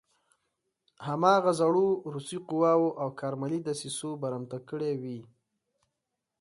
هماغو زړو روسي قواوو او کارملي دسیسو برمته کړی وي.